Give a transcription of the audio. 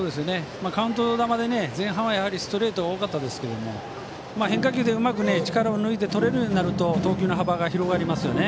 カウント球で前半はストレートが多かったですけども変化球でうまく力を抜いてとれるようになると投球の幅が広がりますよね。